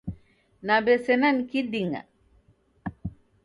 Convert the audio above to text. Nambe sena ni kiding’a